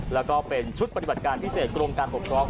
แล้วก็เป็นชุดปฏิบัติการพิเศษกรมการปกครอง